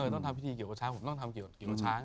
ต้องทำพิธีเกี่ยวกับช้างผมต้องทำเกี่ยวกับช้าง